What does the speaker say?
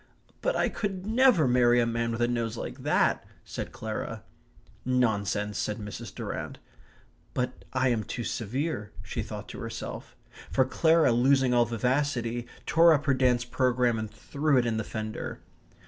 "But I could never marry a man with a nose like that," said Clara. "Nonsense," said Mrs. Durrant. "But I am too severe," she thought to herself. For Clara, losing all vivacity, tore up her dance programme and threw it in the fender.